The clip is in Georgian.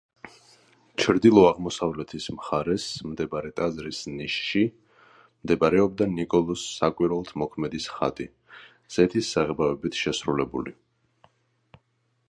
ჩრდილო-აღმოსავლეთის მხარეს მდებარე ტაძრის ნიშში მდებარეობდა ნიკოლოზ საკვირველთმოქმედის ხატი, ზეთის საღებავებით შესრულებული.